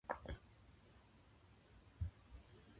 夕飯に牡蠣のグラタンを、食べようと思う。